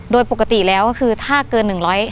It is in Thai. โดยปกติแล้วก็คือถ้าเกิน๑๐๐